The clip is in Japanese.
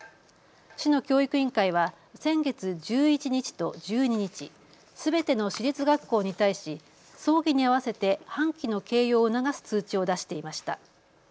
市の教育委員会は先月１１日と１２日、すべての市立学校に対し葬儀に合わせて半旗の掲揚を促す通知を出していました。